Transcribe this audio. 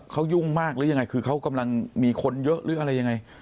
เขายุ่งมากหรือยังไงคือเขากำลังมีคนเยอะหรืออะไรยังไง